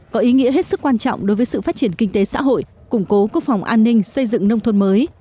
có ý nghĩa hết sức quan trọng đối với sự phát triển kinh tế xã hội củng cố quốc phòng an ninh xây dựng nông thôn mới